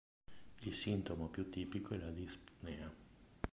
Il sintomo più tipico è la dispnea.